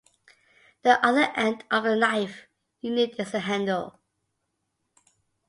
The other end of the knife unit is a handle.